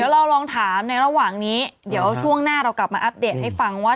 เราลองถามในระหว่างนี้เดี๋ยวช่วงหน้าเรากลับมาอัปเดตให้ฟังว่า